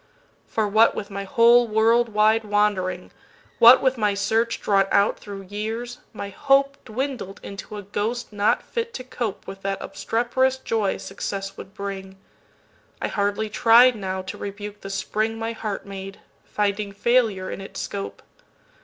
For, what with my whole world wide wandering, What with my search drawn out thro' years, my hopeDwindled into a ghost not fit to copeWith that obstreperous joy success would bring,—I hardly tried now to rebuke the springMy heart made, finding failure in its scope.